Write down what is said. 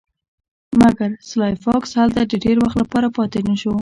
مګر سلای فاکس هلته د ډیر وخت لپاره پاتې نشو